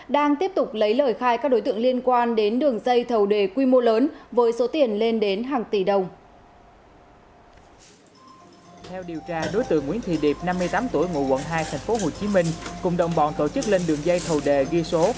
điều tra đối tượng nguyễn thị điệp năm mươi tám tuổi ngụ quận hai tp hcm cùng đồng bọn tổ chức lên đường dây thầu đề ghi số